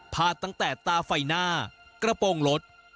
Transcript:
ตั้งแต่ตาไฟหน้ากระโปรงรถ